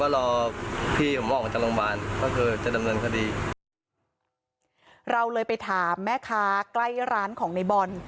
เราเลยไปถามแม่ค้าใกล้ร้านของในบอล